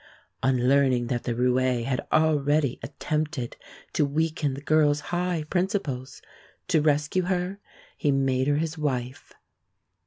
On learning that the roué had already attempted to weaken the girl's high principles, to rescue her he made her his wife.